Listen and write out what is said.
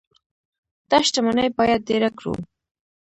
دا شتمني باید ډیره کړو.